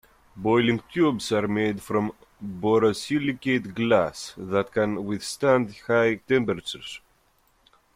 Boiling tubes are made from borosilicate glass that can withstand high temperatures.